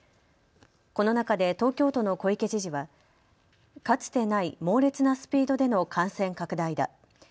この中で東京都の小池知事はかつてない猛烈なスピードでの感染拡大だ。